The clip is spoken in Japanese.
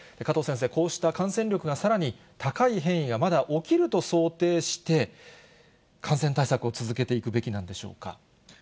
加藤先生、こうした感染力がさらに高い変異がまだ起きると想定して、感染対策を続けていくべきなんでしょうか？